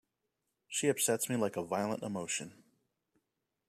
She upsets me like a violent emotion.